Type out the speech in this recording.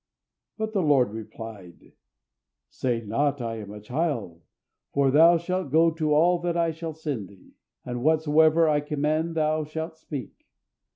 But the Lord replied, "Say not, I am a child: for thou shalt go to all that I shall send thee, and whatsoever I command thee thou shalt speak.